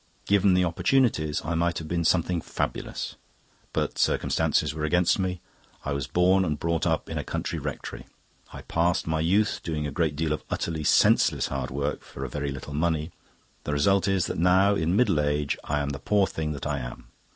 Given the opportunities, I might have been something fabulous. But circumstances were against me. I was born and brought up in a country rectory; I passed my youth doing a great deal of utterly senseless hard work for a very little money. The result is that now, in middle age, I am the poor thing that I am.